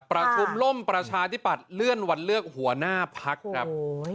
ประชุมล่มประชาธิปัตย์เลื่อนวันเลือกหัวหน้าพักครับ